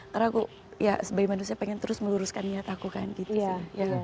karena aku ya sebagai manusia pengen terus meluruskan niat aku kan gitu sih